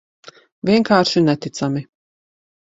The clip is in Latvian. Vienkārši neticami.